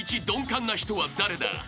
鈍感な人は誰だ？］